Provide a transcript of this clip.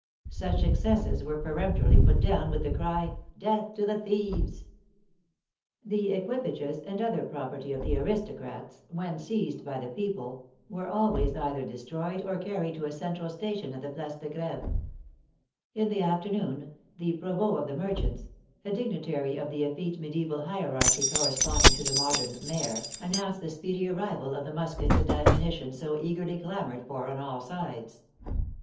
Such excesses were per emptorily put down with the cry, *' Death to the thieves !" The equipages and other property of the " aristocrats " when seized by the people were always either destroyed or carried to a central station at the Place de Greve. In the afternoon " the provost of the merchants " (a digni tary of the effete medieval hierarchy corresponding to the modern maire) announced the speedy arrival of the mus kets and ammunition so eagerly clamored for on all sides.